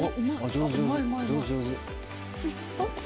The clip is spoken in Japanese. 上手上手。